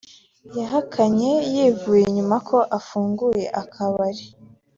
yahakanye yivuye inyuma ko afunguye akabari